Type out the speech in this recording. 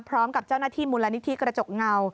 พร้อมกับเจ้าหน้าที่มูลนิธิกระจกเงา